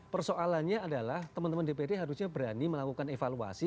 persoalannya adalah teman teman dpd harusnya berani melakukan evaluasi